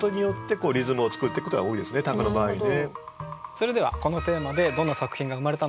それではこのテーマでどんな作品が生まれたのか。